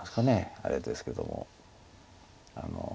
あれですけども。